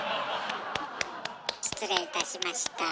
失礼いたしました。